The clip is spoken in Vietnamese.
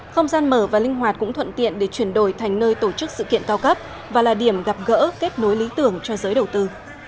không gian mở và linh hoạt cũng thuận tiện để chuyển đổi thành nơi tổ chức sự kiện cao cấp và là điểm gặp gỡ kết nối lý tưởng cho giới đầu tư